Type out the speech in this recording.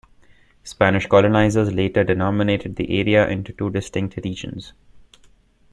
Spanish colonizers later denominated the area into two distinct regions.